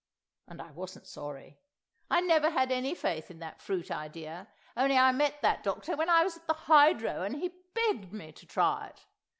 And I wasn't sorry; I never had any faith in that fruit idea, only I met that doctor when I was at the Hydro, and he begged me to try it.